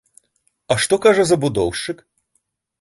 А што кажа забудоўшчык?